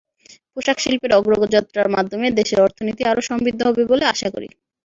পোশাকশিল্পের অগ্রযাত্রার মাধ্যমে দেশের অর্থনীতি আরও সমৃদ্ধ হবে বলে আশা করি।